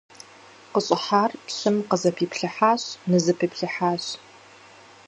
КъыщӀыхьар пщым къызэпиплъыхьащ, нызэпиплъыхьащ.